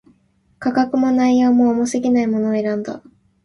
価格も、内容も、重過ぎないものを選んだ